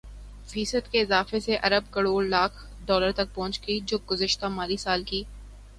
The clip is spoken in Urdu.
فیصد کے اضافے سے ارب کروڑ لاکھ ڈالر تک پہنچ گئی جو گزشتہ مالی سال کی